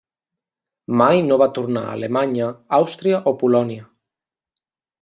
Mai no va tornar a Alemanya, Àustria o Polònia.